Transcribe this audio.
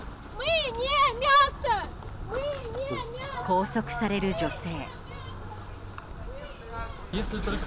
拘束される女性。